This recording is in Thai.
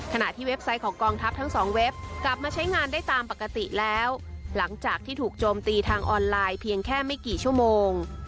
ที่เว็บไซต์ของกองทัพทั้งสองเว็บกลับมาใช้งานได้ตามปกติแล้วหลังจากที่ถูกโจมตีทางออนไลน์เพียงแค่ไม่กี่ชั่วโมง